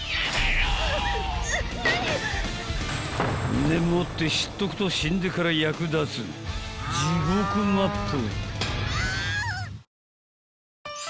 ［んでもって知っとくと死んでから役立つ地獄マップ］